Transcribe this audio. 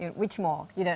apakah lagi kamu belum tahu